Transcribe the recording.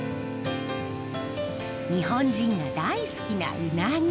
日本人が大好きなウナギ。